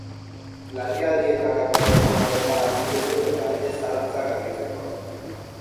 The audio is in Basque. Larrialdietarako telefonoa dela argitu du eta ez zalantzak argitzekoa.